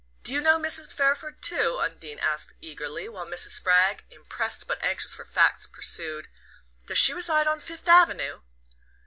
"Do you know Mrs. Fairford too?" Undine asked eagerly; while Mrs. Spragg, impressed, but anxious for facts, pursued: "Does she reside on Fifth Avenue?"